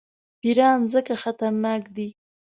پیران ځکه خطرناک دي.